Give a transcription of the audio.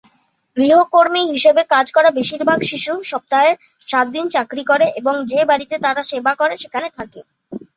গৃহকর্মী হিসেবে কাজ করা বেশিরভাগ শিশু সপ্তাহে সাত দিন চাকরি করে এবং যে বাড়িতে তারা সেবা করে সেখানে থাকে।